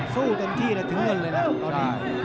สู้เต็มที่เลยถึงเงินเลยนะตอนนี้